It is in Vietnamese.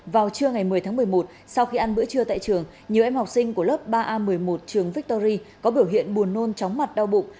vào trưa ngày một mươi tháng một mươi một sau khi ăn bữa trưa tại trường nhiều em học sinh của lớp ba a một mươi một trường victory có biểu hiện buồn nôn chóng mặt đau bụng